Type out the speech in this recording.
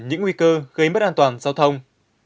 những nguy cơ gây mất an toàn giao thông